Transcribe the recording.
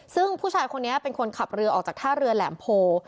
ซึ่งผู้ชายคนนี้เป็นคนขับเรือออกจากท่าเรือแหลมโพ